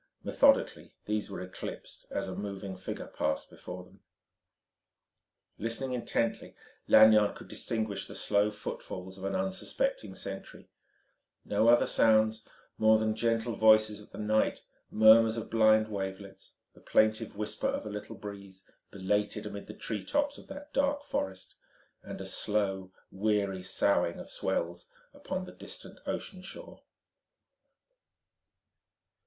Methodically these were eclipsed as a moving figure passed before them. Listening intently, Lanyard could distinguish the slow footfalls of an unsuspecting sentry no other sounds, more than gentle voices of the night: murmurs of blind wavelets, the plaintive whisper of a little breeze belated amid the tree tops of that dark forest, and a slow, weary soughing of swells upon the distant ocean shore.